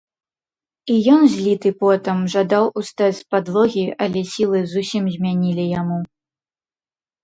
І ён, зліты потам, жадаў устаць з падлогі, але сілы зусім змянілі яму.